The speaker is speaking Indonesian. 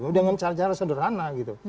dengan cara cara sederhana gitu